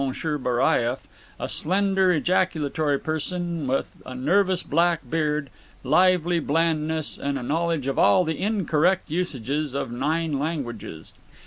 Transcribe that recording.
Baraieff, a short slender ejaculatory person with a nervous black beard, lively blandness, and a knowledge of all the incorrect usages of nine languages.